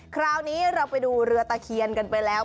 คราวนี้เราไปดูเรือตะเคียนกันไปแล้ว